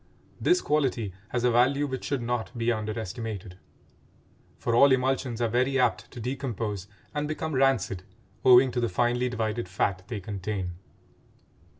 This quality has a value which should not be underestimated; for all emulsions are very apt to decompose and become rancid owing to the finely divided fat they contain.